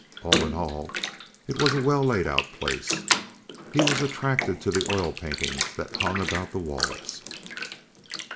All in all, it was a well laid out place. He was attracted to the oil paintings that hung about the walls.